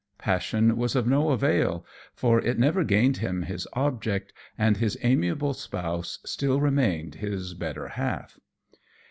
Passion was of no avail, for it never gained him his object, and his amiable spouse still remained his better half.